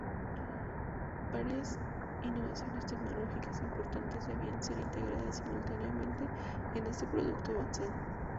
Varias innovaciones tecnológicas importantes debían ser integradas simultáneamente en este producto avanzado.